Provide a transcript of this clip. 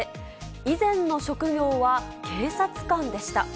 以前の職業は警察官でした。